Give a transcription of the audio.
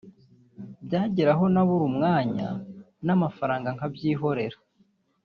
byageraho nabura umwanya n’amafaranga nkabyihorera